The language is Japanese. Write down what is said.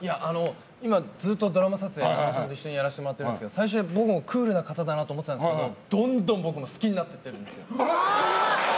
今、ずっとドラマ撮影を菜々緒さんと一緒にやらせてもらってるんですけど最初、僕もクールな方だなと思ってたんですけどどんどん僕も好きになってってる。